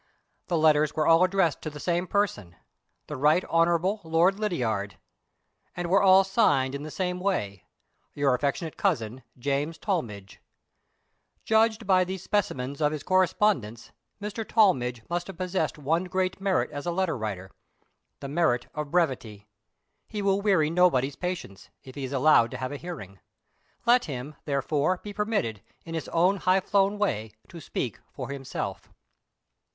The letters were all addressed to the same person "THE RT. HON. LORD LYDIARD" and were all signed in the same way "Your affectionate cousin, James Tollmidge." Judged by these specimens of his correspondence, Mr. Tollmidge must have possessed one great merit as a letter writer the merit of brevity. He will weary nobody's patience, if he is allowed to have a hearing. Let him, therefore, be permitted, in his own high flown way, to speak for himself.